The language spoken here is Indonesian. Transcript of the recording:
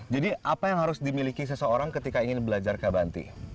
jadi apa yang harus dimiliki seseorang ketika ingin belajar kabanti